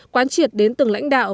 quán triệt đến từng lãnh đạo